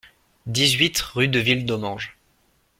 dix-huit rue de Villedommange